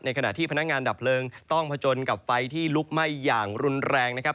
ขณะที่พนักงานดับเพลิงต้องผจญกับไฟที่ลุกไหม้อย่างรุนแรงนะครับ